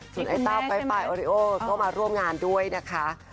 ส่วนไอ้ต้าไฟล์ปลายออริโอก็มาร่วมงานด้วยนะคะ